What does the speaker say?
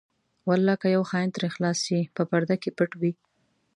ولاکه یو خاین ترې خلاص شي په پرده کې پټ وي.